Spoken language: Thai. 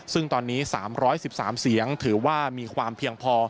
ซึ่งตอนนี้๓๑๓เสียงถือว่ามีความเพียงพอ